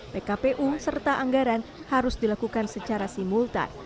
pkpu serta anggaran harus dilakukan secara simultan